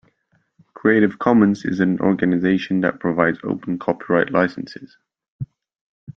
Creative Commons is an organisation that provides open copyright licences